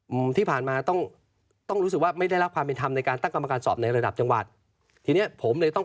อื้มที่ผ่านมาต้อง